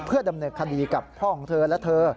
ดำเนินคดีกับพ่อของเธอและเธอ